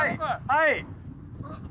はい。